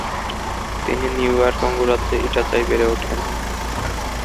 তিনি New York অঙ্গরাজ্যের ইটাচায় বেড়ে ওঠেন।